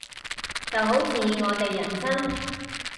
就好似我哋人生